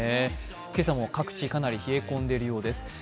今朝も各地、かなり冷え込んでいるようです。